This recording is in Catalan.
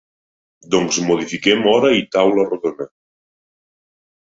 Doncs modifiquem hora i taula rodona.